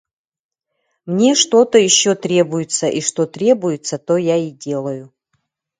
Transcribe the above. Мне что-то еще требуется, и что требуется, то я и делаю.